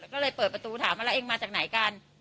ก็เลยเปิดประตูถามว่าแล้วเองมาจากไหนกัน